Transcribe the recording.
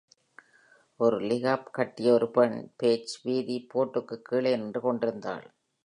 ஒரு ஸிகார்ஃப் கட்டிய ஒரு பெண் பேஜ் வீதி போர்டுக்கு கீழே நின்று கொண்டிருந்தாள்.